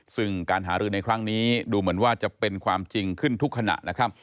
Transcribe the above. ซึ่งการหารือในครั้งนี้ดูเหมือนว่าจะเป็นความจริงขึ้นทุกขณะนะครับ